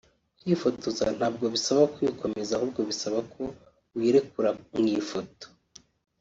Kwifotoza nabwo bisaba kwikomeza ahubwo bisaba ko wirekura mu ifoto